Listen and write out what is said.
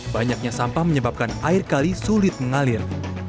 banyaknya sampah menyebabkan air kali sulit mengalir